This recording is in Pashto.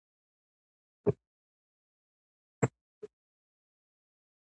ماري کوري پایله ترلاسه کړه چې ماده نامعلومه ده.